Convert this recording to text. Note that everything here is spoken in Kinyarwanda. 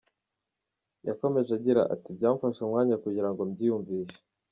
Yakomeje agira ati "Byamfashe umwanya kugira ngo mbyiyumvishe.